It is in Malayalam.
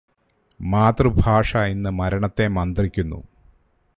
മാതൃഭാഷ ഇന്ന് മരണത്തെ മന്ത്രിക്കുന്നു.